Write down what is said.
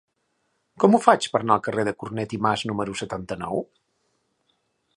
Com ho faig per anar al carrer de Cornet i Mas número setanta-nou?